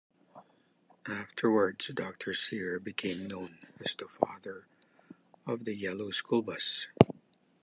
Afterwards, Doctor Cyr became known as the "Father of the Yellow School Bus".